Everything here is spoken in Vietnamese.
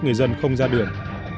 người dân không ra đường